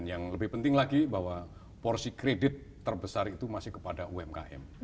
yang lebih penting lagi bahwa porsi kredit terbesar itu masih kepada umkm